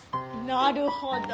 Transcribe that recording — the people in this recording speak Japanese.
なるほど。